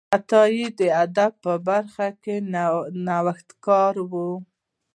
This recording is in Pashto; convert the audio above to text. عطایي د ادب په برخه کې نوښتګر و.